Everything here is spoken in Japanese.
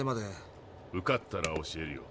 受かったら教えるよ。